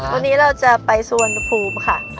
วันนี้เราจะไปสุวรรณภูมิค่ะ